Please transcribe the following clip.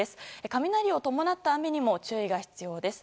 雷を伴った雨にも注意が必要です。